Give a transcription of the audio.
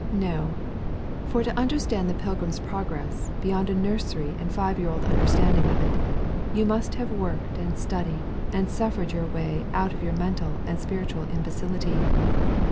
No; for to understand the Pilgrim's Progress, beyond a nursery and five year old understanding of it, you must have worked and studied and suffered your way out of your mental and spiritual imbecility.